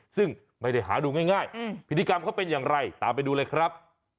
ซึ่งไม่ได้หาดูง่ายพิธีกรรมเขาเป็นอย่างไรตามไปดูเลยครับ